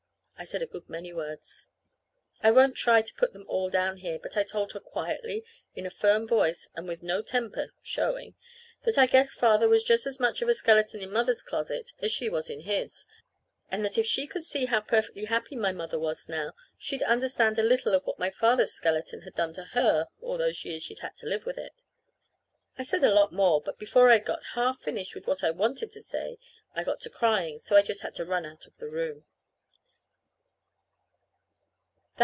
I said a good many words. I won't try to put them all down here; but I told her quietly, in a firm voice, and with no temper (showing), that I guessed Father was just as much of a skeleton in Mother's closet as she was in his; and that if she could see how perfectly happy my mother was now she'd understand a little of what my father's skeleton had done to her all those years she'd had to live with it. I said a lot more, but before I'd got half finished with what I wanted to say, I got to crying, so I just had to run out of the room.